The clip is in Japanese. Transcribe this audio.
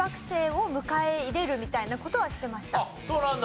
そうなんだ。